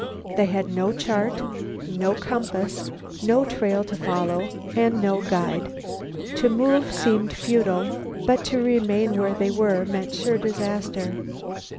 They had no chart, no compass, no trail to follow and no guide. To move seemed futile, yet to remain where they were meant sure disaster.